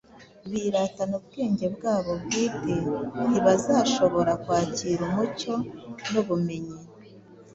biratana ubwenge bwabo bwite, ntibazashobora kwakira umucyo n’ubumenyi